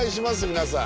皆さん。